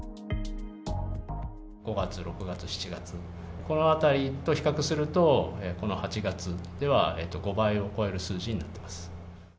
５月、６月、７月、このあたりと比較すると、この８月では５倍を超える数字になってます。